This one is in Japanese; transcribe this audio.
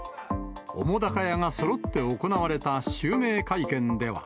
澤瀉屋がそろって行われた襲名会見では。